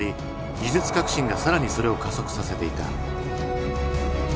技術革新が更にそれを加速させていた。